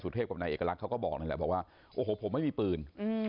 ตอนนี้กำลังจะโดดเนี่ยตอนนี้กำลังจะโดดเนี่ย